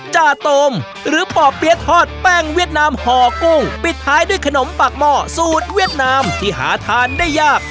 จาโตมหรือป่อเปี๊ยะทอดแป้งเวียดนามห่อกุ้งปิดท้ายด้วยขนมปากหม้อสูตรเวียดนามที่หาทานได้ยาก